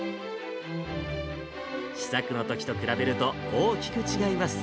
試作のときと比べると、大きく違います。